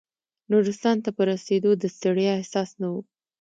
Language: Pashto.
نورستان ته په رسېدو د ستړیا احساس نه و.